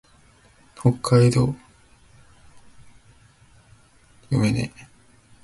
北海道羽幌町